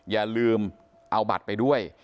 อย่าลืมเอาบัตรไปด้วย